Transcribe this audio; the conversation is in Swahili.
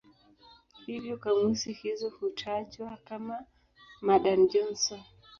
Hivyo kamusi hizo hutajwa kama "Madan-Johnson".